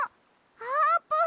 あーぷん！